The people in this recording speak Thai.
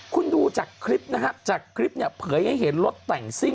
คุณดูจากคลิปนะฮะจากคลิปเนี่ยเผยให้เห็นรถแต่งซิ่ง